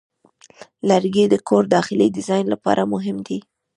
لرګی د کور داخلي ډیزاین لپاره مهم دی.